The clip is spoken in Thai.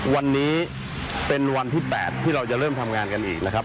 วันนี้เป็นวันที่๘ที่เราจะเริ่มทำงานกันอีกนะครับ